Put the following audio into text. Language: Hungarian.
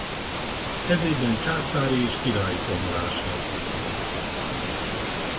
Ez évben császári és királyi kamarás lett.